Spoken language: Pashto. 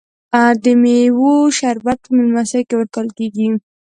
د میوو شربت په میلمستیا کې ورکول کیږي.